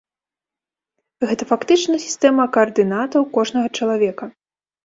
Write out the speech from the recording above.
Гэта фактычна сістэма каардынатаў кожнага чалавека.